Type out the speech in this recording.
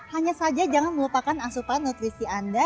hanya saja jangan melupakan asupan nutrisi anda